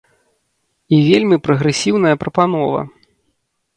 І вельмі прагрэсіўная прапанова.